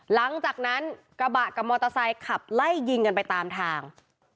หลังจากนั้นกระบะกับมอเตอร์ไซค์ขับไล่ยิงกันไปตามทาง